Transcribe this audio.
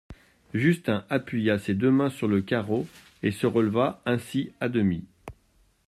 Justin appuya ses deux mains sur le carreau et se releva ainsi à demi.